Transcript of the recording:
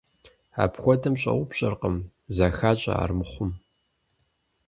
Апхуэдэм щӏэупщӏэркъым, зэхащӏэ армыхъум.